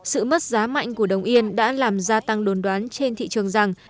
sự mất giá mạnh của đồng yên đã làm gia tăng đồn đoán trên thị trường rằng